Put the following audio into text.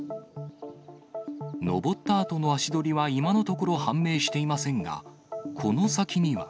登ったあとの足取りは、今のところ判明していませんが、この先には。